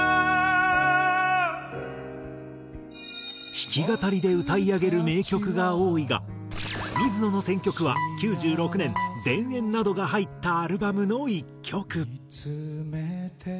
弾き語りで歌い上げる名曲が多いが水野の選曲は９６年『田園』などが入ったアルバムの１曲。